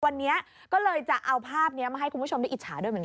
วันนี้ก็เลยจะเอาภาพนี้มาให้คุณผู้ชมได้อิจฉาด้วยเหมือนกัน